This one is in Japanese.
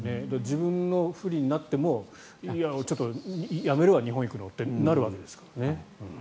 自分が不利になってもやめるわ、日本行くのってなるわけですもんね。